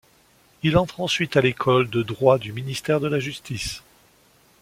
Il entre ensuite à l'école de droit du ministère de la Justice.